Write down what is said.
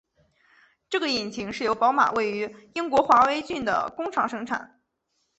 这个引擎是由宝马位于英国华威郡的工厂生产。